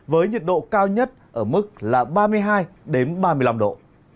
với nhiệt độ cao nhất ở mức là ba mươi hai ba mươi năm độ